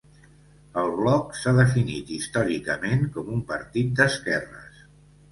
El Bloc s'ha definit històricament com un partit d'esquerres.